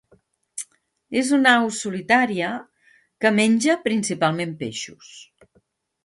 És una au solitària que menja principalment peixos.